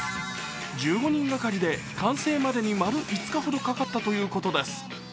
１５人がかりで完成までに丸５日ほどかかったということです。